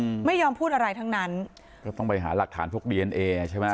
อืมไม่ยอมพูดอะไรทั้งนั้นก็ต้องไปหาหลักฐานพวกดีเอนเอใช่ไหม